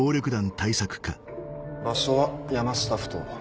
場所は山下埠頭。